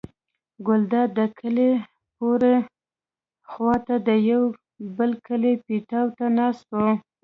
ګلداد د کلي پورې خوا ته د یوه بل کلي پیتاوي ته ناست و.